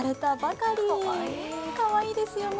かわいいですよね。